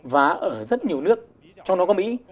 và ở rất nhiều nước trong đó có mỹ